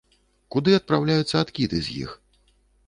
Куды адпраўляюцца адкіды з іх?